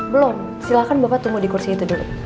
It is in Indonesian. belum silahkan bapak tunggu di kursi itu dulu